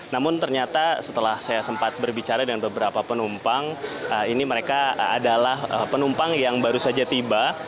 namun ternyata setelah saya sempat berbicara dengan beberapa penumpang ini mereka adalah penumpang yang baru saja tiba